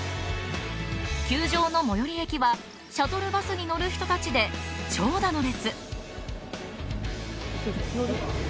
球場の最寄り駅は、シャトルバスに乗る人たちで長蛇の列。